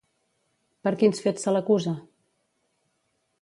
Per quins fets se l'acusa?